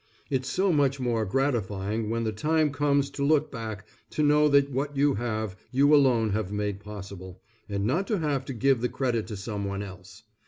It's so much more gratifying when the time comes to look back, to know that what you have, you alone have made possible, and not to have to give the credit to some one else.